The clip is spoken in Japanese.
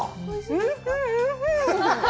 おいしい、おいしい。